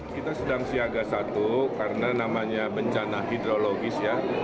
kita sedang siaga satu karena namanya bencana hidrologis ya